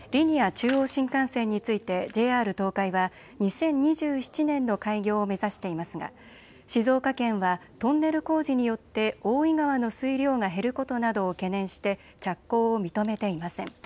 中央新幹線についてＪＲ東海は２０２７年の開業を目指していますが静岡県はトンネル工事によって大井川の水量が減ることなどを懸念して着工を認めていません。